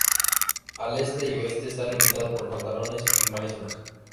Al este y oeste está limitado por pantanos y marismas.